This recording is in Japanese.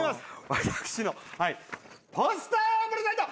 私のポスターをプレゼント。